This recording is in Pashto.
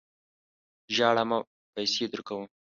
ژاړه مه ! پیسې درکوم.